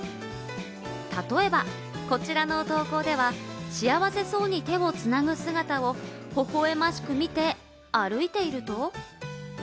例えばこちらの投稿では、幸せそうに手をつなぐ姿を微笑ましく見て、歩いていると。